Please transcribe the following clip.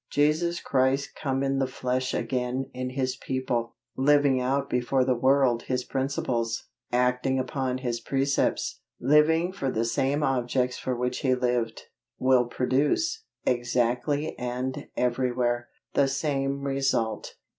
JESUS CHRIST COME IN THE FLESH AGAIN IN HIS PEOPLE, living out before the world His principles, acting upon His precepts, living for the same objects for which He lived, will produce, exactly and everywhere, the same result.